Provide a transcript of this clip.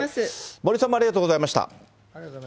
森さんもありがとうございました。